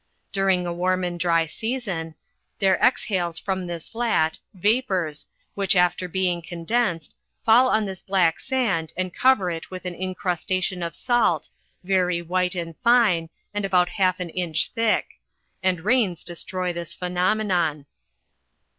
During a warm and dry season, there exhales from this LEWIS AND CLARKE. 3 'flat, vapours, which after being condensed, fall on this black Band, and cover it with an incrustation of salt, very white and fino, and about half an inch thick; and rains destroy thin phenomenon.